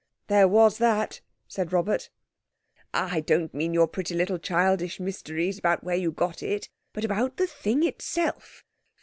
"There was that," said Robert. "Ah, I don't mean your pretty little childish mysteries about where you got it. But about the thing itself.